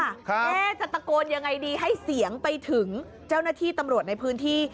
เอ๊ะจะตะโกนยังไงดีให้เสียงไปถึงเจ้าหน้าที่ตำรวจในพื้นที่